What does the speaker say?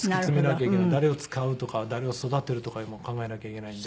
誰を使うとか誰を育てるとかいうのも考えなきゃいけないんで。